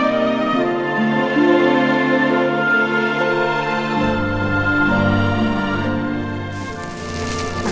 sampai jumpa pak